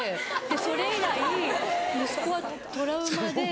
それ以来息子はトラウマで。